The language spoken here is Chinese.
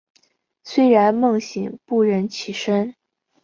虽然梦醒不忍起身